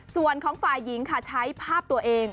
ส่วนของฝ่ายหญิงค่ะใช้ภาพตัวเอง